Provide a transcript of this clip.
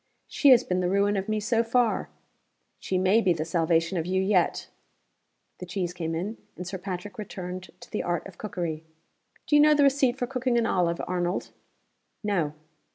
"She has been the ruin of me so far." "She may be the salvation of you yet." The cheese came in; and Sir Patrick returned to the Art of Cookery. "Do you know the receipt for cooking an olive, Arnold?" "No."